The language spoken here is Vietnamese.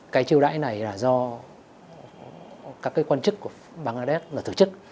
cái chiêu đãi này là do các cái quan chức của bangladesh là tổ chức